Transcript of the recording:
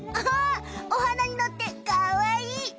あはおはなにのってかわいい！